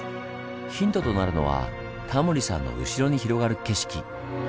ヒントとなるのはタモリさんの後ろに広がる景色。